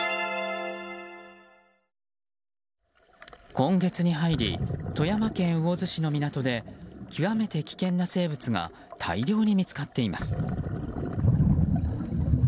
今月に入り富山県魚津市の港で極めて危険な生物が大量に見つかっています。